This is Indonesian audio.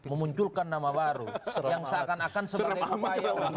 memunculkan nama baru yang seakan akan sebagai upaya untuk